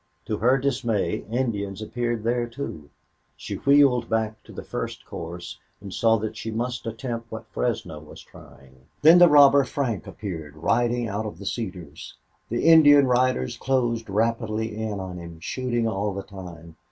To her dismay, Indians appeared there, too. She wheeled back to the first course and saw that she must attempt what Fresno was trying. Then the robber Frank appeared, riding out of the cedars. The Indian riders closed rapidly in on him, shooting all the time.